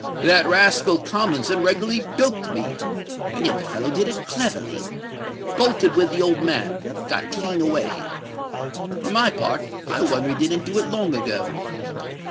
That rascal Tomlinson regularly bilked me: and yet the fellow did it cleverly! Bolted with the old man—got clean away. For my part, I wonder he didn't do it long ago.